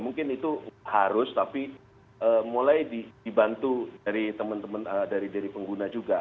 mungkin itu harus tapi mulai dibantu dari teman teman dari pengguna juga